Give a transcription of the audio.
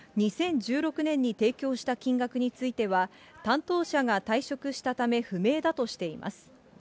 ２０１６年に提供した金額については、担当者が退職したため不明だとしています。